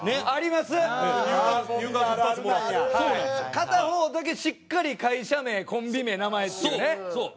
片方だけしっかり会社名コンビ名名前っていうね。